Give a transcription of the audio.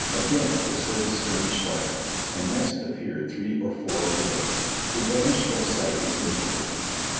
Again was heard the skirmish fire; and next appeared three or four videttes, wlio vanished from sight within the fort.